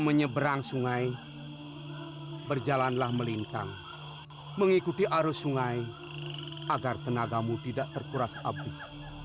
menyeberang sungai berjalanlah melintang mengikuti arus sungai agar tenagamu tidak terkuras habis